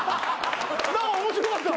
面白かった。